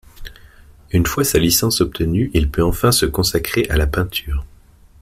Une fois sa licence obtenue, il peut enfin se consacrer à la peinture.